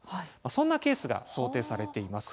そんなケースが想定されています。